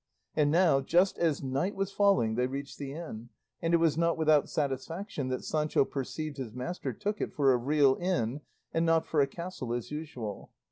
And now, just as night was falling, they reached the inn, and it was not without satisfaction that Sancho perceived his master took it for a real inn, and not for a castle as usual.